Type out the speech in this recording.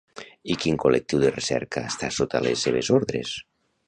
I quin col·lectiu de recerca està sota les seves ordres?